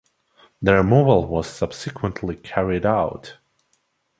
The removal was subsequently carried out.